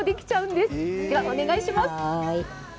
では、お願いします。